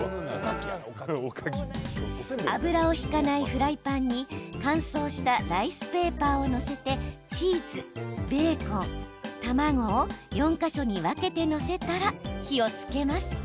油を引かないフライパンに乾燥したライスペーパーを載せてチーズ、ベーコン、卵を４か所に分けて載せたら、火をつけます。